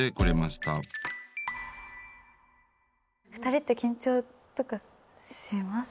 ２人って緊張とかします？